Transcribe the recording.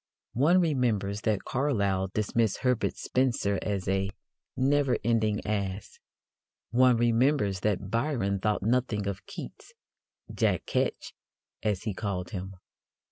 One remembers that Carlyle dismissed Herbert Spencer as a "never ending ass." One remembers that Byron thought nothing of Keats "Jack Ketch," as he called him.